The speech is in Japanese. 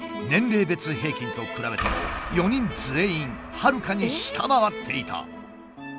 年齢別平均と比べても４人全員はるかに下回っていた。